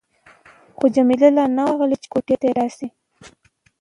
خو جميله لا نه وه راغلې چې کوټې ته راشي.